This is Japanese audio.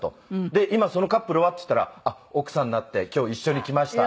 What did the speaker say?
「で今そのカップルは？」って言ったら「奥さんになって今日一緒に来ました」。